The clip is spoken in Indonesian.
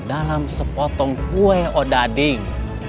dalam sepotong kue odading